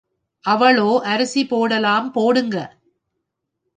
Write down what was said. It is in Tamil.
அவ்ளோ அரிசி போடலாம், போடுங்க